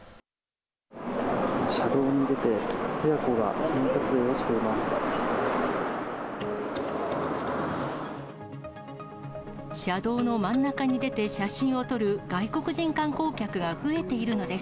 車道に出て、親子が記念撮影をしています。